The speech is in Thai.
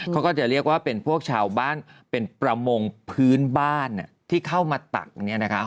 เขาก็จะเรียกว่าเป็นพวกชาวบ้านเป็นประมงพื้นบ้านที่เข้ามาตัก